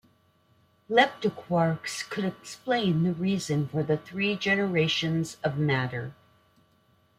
Leptoquarks could explain the reason for the three generations of matter.